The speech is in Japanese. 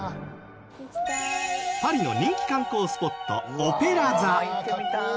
パリの人気観光スポットオペラ座。